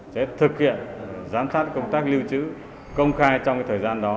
sẽ thực hiện giám sát công tác lưu trữ công khai trong thời gian đó